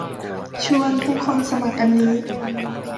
ชวนทุกคนสมัครอันนี้